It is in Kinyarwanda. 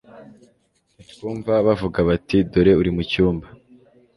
ntitwumva bavuga bati: "Dore ari mu cyumba?"